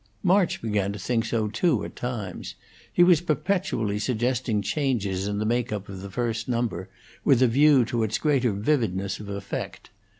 March began to think so too, at times. He was perpetually suggesting changes in the make up of the first number, with a view to its greater vividness of effect.